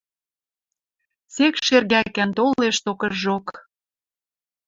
Сек шергӓкӓн толеш токыжок.